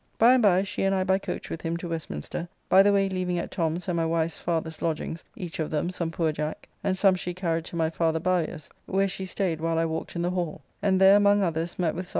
By and by she and I by coach with him to Westminster, by the way leaving at Tom's and my wife's father's lodgings each of them some poor Jack, and some she carried to my father Bowyer's, where she staid while I walked in the Hall, and there among others met with Serj'.